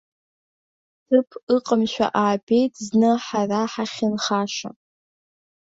Ҭыԥ ыҟамшәа аабеит зны ҳара ҳахьынхаша.